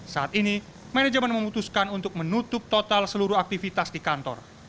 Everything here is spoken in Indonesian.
saat ini manajemen memutuskan untuk menutup total seluruh aktivitas di kantor